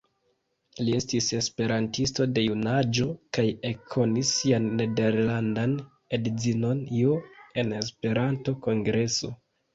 Li estis esperantisto de junaĝo kaj ekkonis sian nederlandan edzinon Jo en Esperanto-kongreso.